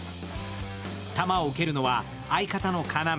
球を受けるのは、相方の要。